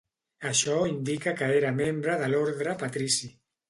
Això indica que era membre de l'ordre patrici.